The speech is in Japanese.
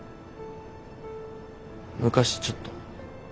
昔ちょっと。